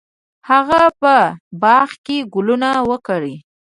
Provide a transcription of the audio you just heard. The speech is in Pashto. هغه په باغ کې ګلونه وکري.